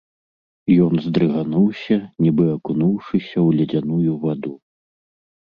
Ён здрыгануўся, нібы акунуўшыся ў ледзяную ваду.